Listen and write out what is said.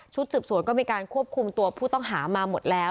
สืบสวนก็มีการควบคุมตัวผู้ต้องหามาหมดแล้ว